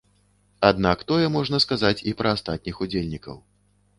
Аднак тое можна сказаць і пра астатніх удзельнікаў.